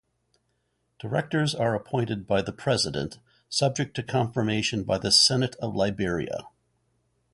Directors are appointed by the President subject to confirmation by the Senate of Liberia.